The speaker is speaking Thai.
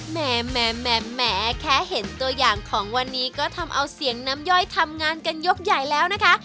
แหมแค่เห็นตัวอย่างของวันนี้ก็ทำเอาเสียงน้ำย่อยทำงานกันยกใหญ่แล้วนะคะ